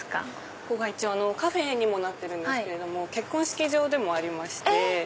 ここが一応カフェにもなってるんですけど結婚式場でもありまして。